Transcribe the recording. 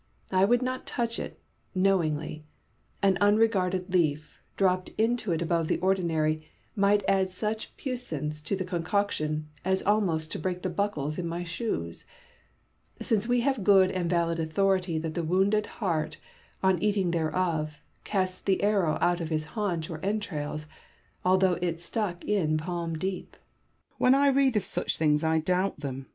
I would not touch it, know ingly : an unregarded leaf, dropped into it above the ordinary, might add such puissance to the concoction as almost to break the buckles in my shoes ; since we have good and valid authority that the wounded hart, on eating thereof, casts the arrow out of his haunch or entrails, although it stuck a palm deep. Bacon. When I read of such things I doubt them.